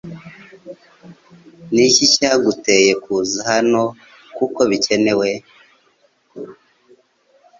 Ni iki cyaguteye kuza hanokuko bikenewe